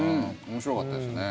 面白かったですね。